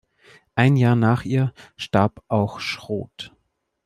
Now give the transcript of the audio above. Ein Jahr nach ihr starb auch Schroth.